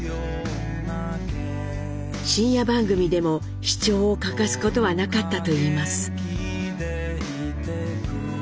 深夜番組でも視聴を欠かすことはなかったといいます。